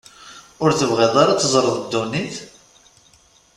Ur tebɣiḍ ara ad teẓreḍ ddunit?